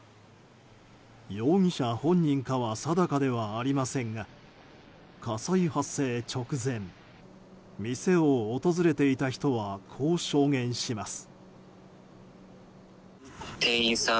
容疑者本人かは定かではありませんが火災発生直前店を訪れていた人はこう証言します。